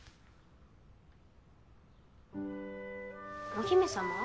お姫様？